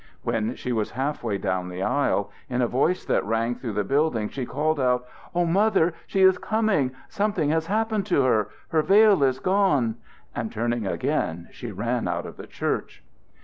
When she was half way down the aisle, in a voice that rang through the building, she called out: "Oh, Mother, she is coming! Something has happened to her! Her veil is gone!" and, turning again, she ran out of the church.